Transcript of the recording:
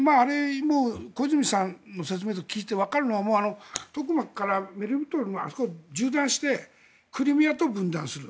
小泉さんの説明を聞いてわかるのはトクマクからメリトポリを縦断してクリミアと分断する。